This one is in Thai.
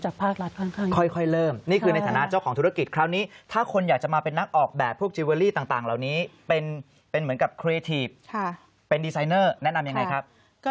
ก็เริ่มต้นหรอกนะครับ